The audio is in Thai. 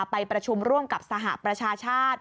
ไปประชุมร่วมกับสหประชาชาติ